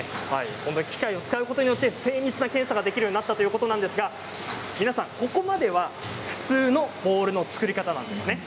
この機械を使うことになって精密な検査ができるようになったということですがここまでは普通のボールの作り方です。